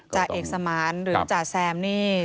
จ่าเอกสมานหรือจ่าแซมนี่